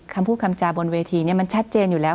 คำพูดคำจาบนเวทีมันชัดเจนอยู่แล้ว